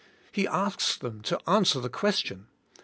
He asks them to answer the question.